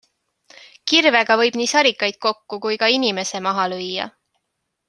Kirvega võib nii sarikad kokku kui ka inimese maha lüüa.